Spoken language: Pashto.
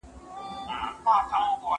زه بايد مړۍ وخورم!!